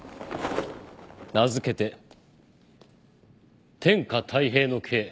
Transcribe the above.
名付けて天下泰平の計